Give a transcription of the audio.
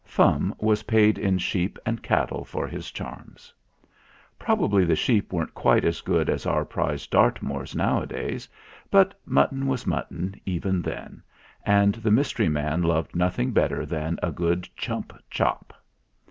Fum was paid in sheep and cattle for his charms. Probably the sheep weren't quite as good as our prize Dartmoors nowadays ; but mutton was mutton even then, and the mystery man loved nothing better than a good chump chop.